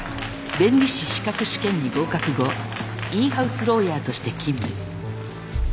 弁理士資格試験に合格後インハウスローヤーとして勤務。